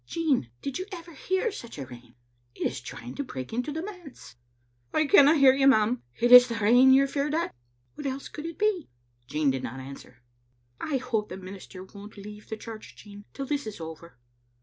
"Jean, did you ever hear such a rain? It is trying to break into the manse. " "I canna hear you, ma'am; is it the rain you're feared at?" " What else could it be?" Jean did not answer. " I hope the minister won't leave the church, Jean, till this is over?"